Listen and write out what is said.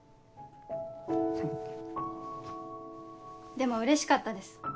でもうれしかったです。